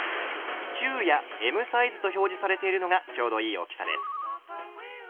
「中」や「Ｍサイズ」と表示されているのがちょうどいい大きさです。